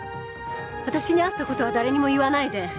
私に会ったことは誰にも言わないで。